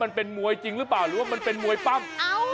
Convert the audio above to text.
มันเป็นมวยจริงหรือเปล่าหรือว่ามันเป็นมวยปั้ม